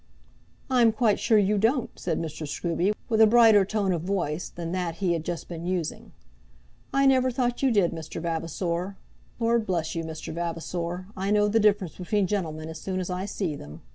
"I'm quite sure you don't," said Mr. Scruby, with a brighter tone of voice than that he had just been using. "I never thought you did, Mr. Vavasor. Lord bless you, Mr. Vavasor, I know the difference between gentlemen as soon as I see them."